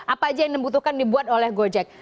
apa aja yang membutuhkan dibuat oleh gojek